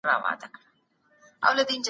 د بنګړي زړه دي ورته